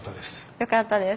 よかったです。